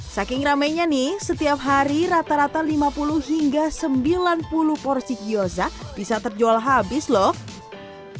saking rame nya nih setiap hari rata rata lima puluh hingga sembilan puluh porsi kiosk bisa terjual habis lho